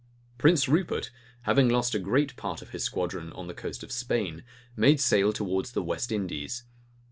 Prince Rupert, having lost a great part of his squadron on the coast of Spain, made sail towards the West Indies.